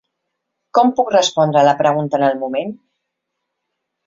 Com puc respondre a la pregunta en el moment.